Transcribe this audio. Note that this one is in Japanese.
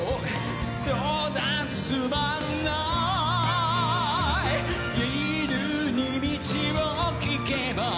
「そうだつまんない」「犬に道をきけば」